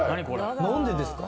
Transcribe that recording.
何でですか！？